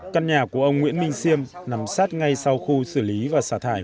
căn nhà của ông nguyễn minh xiêm nằm sát ngay sau khu xử lý và xả thải